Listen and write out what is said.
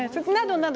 など